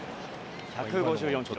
１５４キロ。